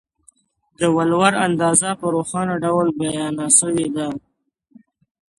د ولور اندازه په روښانه ډول بیان سوې ده.